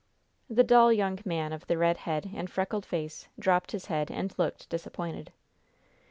The dull young man of the red head and freckled face dropped his head and looked disappointed.